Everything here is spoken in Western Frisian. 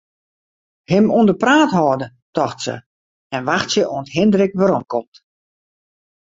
Him oan 'e praat hâlde, tocht se, en wachtsje oant Hindrik weromkomt.